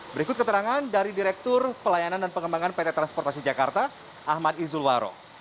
berikut keterangan dari direktur pelayanan dan pengembangan pt transportasi jakarta ahmad izulwaro